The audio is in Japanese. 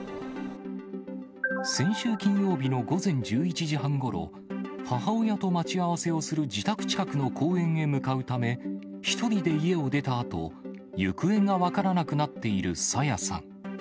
先週金曜日の午前１１時半ごろ、母親と待ち合わせをする自宅近くの公園へ向かうため、１人で家を出たあと、行方が分からなくなっている朝芽さん。